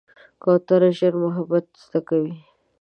کوتره ژر محبت زده کوي.